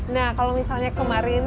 nah kalau misalnya kemarin